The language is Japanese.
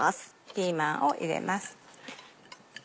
ピーマンを入れます。